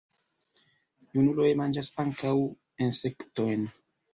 Junuloj manĝas ankaŭ insektojn.